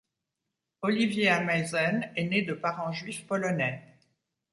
Olivier Ameisen est né de parents juifs polonais.